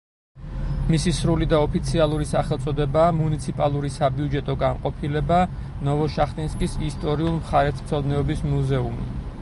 მისი სრული და ოფიციალური სახელწოდებაა „მუნიციპალური საბიუჯეტო განყოფილება ნოვოშახტინსკის ისტორიულ-მხარეთმცოდნეობითი მუზეუმი“.